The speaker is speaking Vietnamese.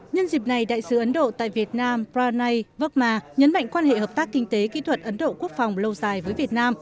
nhân dịp này đại sứ ấn độ tại việt nam pranay vakma nhấn mạnh quan hệ hợp tác kinh tế kỹ thuật ấn độ quốc phòng lâu dài với việt nam